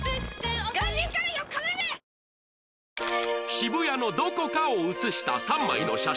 渋谷のどこかを写した３枚の写真